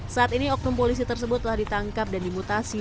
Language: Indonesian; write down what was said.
saat ini oknum polisi tersebut telah ditangkap dan dimutasi